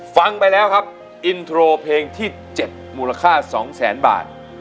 ฟังไปแล้วครับอินโทรเพลงที่๗มูลค่า๒แสนบาท